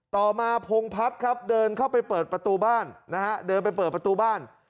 ต่อมาพงพัฒน์ครับเดินเข้าไปเปิดประตูบ้านนะฮะเดินไปเปิดประตูบ้าน